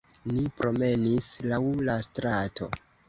Ni promenis laŭ la strato